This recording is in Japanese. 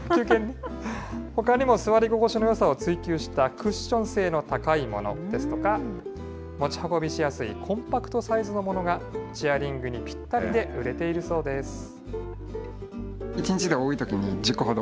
ほかにも座り心地のよさを追求したクッション性の高いものですとか、持ち運びしやすいコンパクトサイズのものが、チェアリングにぴったりで売れているそうです。